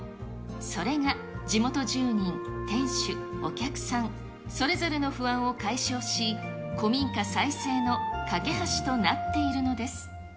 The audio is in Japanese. それが地元住人、店主、お客さん、それぞれの不安を解消し、古民家再生の懸け橋となっているのです。